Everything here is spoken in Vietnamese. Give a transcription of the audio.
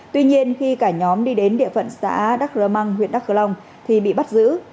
tuy nhiên khi cả nhóm đi đến địa phận xã đắc rơ măng huyện đắk cờ long thì bị bắt giữ